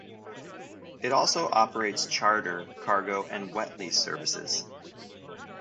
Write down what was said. It also operates charter, cargo and wet lease services.